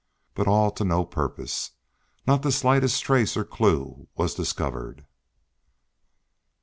But all to no purpose. Not the slightest trace or clue was discovered.